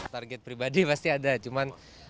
target pribadi pasti ada cuman saya nggak mau